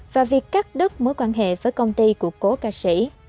và việc cắt đứt mối quan hệ với công ty của cố ca sĩ